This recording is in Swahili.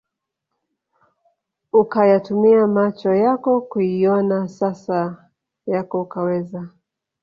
ukayatumia macho yako kuiona sasa yako ukaweza